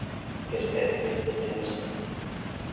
Ertaklar dunyosi